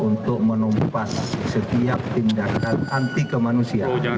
untuk menumpas setiap tindakan anti kemanusiaan